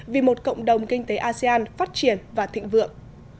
vì một cộng đồng kinh tế asean phát triển và thịnh vượng